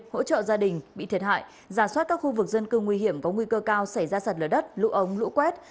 hỗ trợ gia đình bị thiệt hại giả soát các khu vực dân cư nguy hiểm có nguy cơ cao xảy ra sạt lở đất lũ ống lũ quét